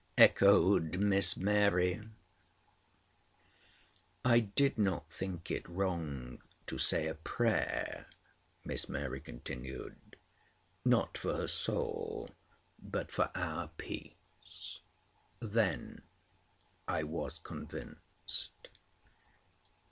echoed Miss Mary, and giggled. "I did not think it wrong to say a prayer," Miss Mary continued. "Not for her soul, but for our peace. Then I was convinced."